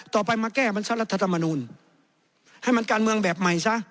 ต่อไปมาแก้มันสรรทธรรมนุนให้มันการเมืองแบบใหม่ซะ